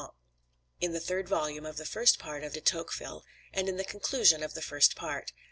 in the third volume of the first part of De Tocqueville, and in the conclusion of the first part.